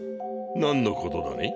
何のことだね？